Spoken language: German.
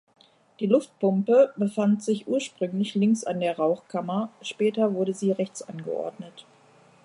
Die Luftpumpe befand sich ursprünglich links an der Rauchkammer, später wurde sie rechts angeordnet.